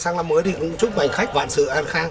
sáng năm mới thì cũng chúc mấy khách vạn sự an khang